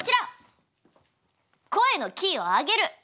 声のキーをあげる。